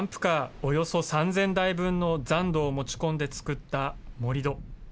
およそ３０００台分の残土を持ち込んで造った盛り土。